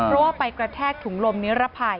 เพราะว่าไปกระแทกถุงลมนิรภัย